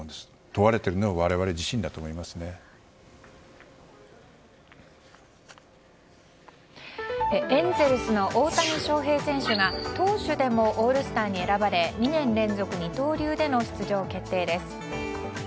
問われているのはエンゼルスの大谷翔平選手が投手でもオールスターに選ばれ２年連続二刀流での出場決定です。